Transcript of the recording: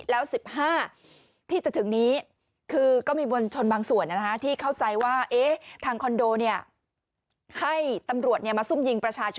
แล้ว๑๕ที่จะถึงนี้